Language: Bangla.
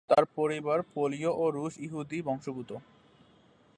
তার পরিবার পোলীয় ও রুশ ইহুদি বংশোদ্ভূত।